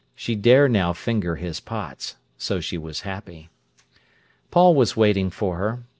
She dare now finger his pots. So she was happy. Paul was waiting for her.